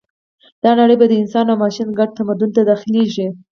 دا نړۍ به د انسان او ماشین ګډ تمدن ته داخلېږي